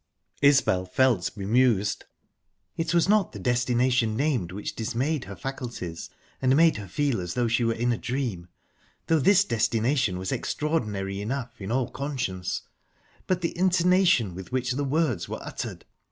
Isbel felt bemused. It was not the destination named which dismayed her faculties, and made her feel as though she were in a dream though this destination was extraordinary enough, in all conscience but the intonation with which the words were uttered.